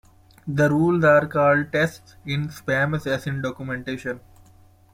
The rules are called "tests" in the SpamAssassin documentation.